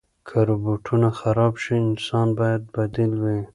که روبوټونه خراب شي، انسان باید بدیل وي.